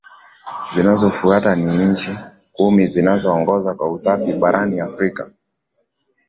Zifuatazo ni nchi Kumi zinazoongoza kwa usafi barani Afrika